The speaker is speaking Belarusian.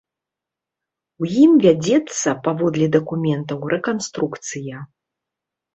У ім вядзецца, паводле дакументаў, рэканструкцыя.